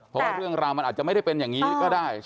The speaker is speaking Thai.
เพราะว่าเรื่องราวมันอาจจะไม่ได้เป็นอย่างนี้ก็ได้